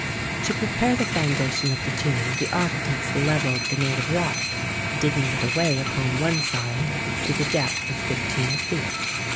To prepare the foundation of the tomb the ar chitects levelled the native rock, digging it away upon one side to the depth of fifteen feet.